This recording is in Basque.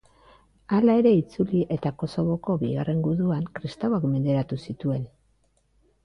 Hala ere itzuli eta Kosovoko bigarren guduan kristauak menderatu zituen.